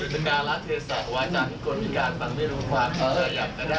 การลักษณ์เทสสาวาจากคนพิการฟังไม่รู้ความเกิดอยากจะได้